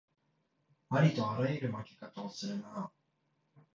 ありとあらゆる負け方をするなあ